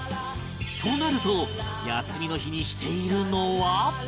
となると休みの日にしているのは